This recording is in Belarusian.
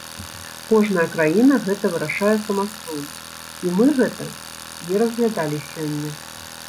Кожная краіна гэта вырашае самастойна, і мы гэта не разглядалі сёння.